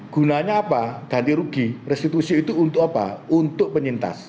gunanya apa ganti rugi restitusi itu untuk apa untuk penyintas